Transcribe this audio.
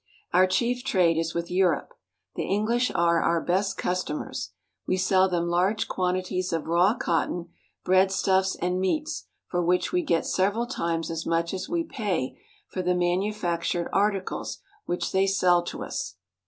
Our chief trade is with Europe. The EngHsh are our best customers. We sell them large quantities of raw cot ton, breadstuffs, and meats, for which we get several times as much as we pay for the manufactured articles which they sell to us.